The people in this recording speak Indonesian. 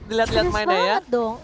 serius banget dong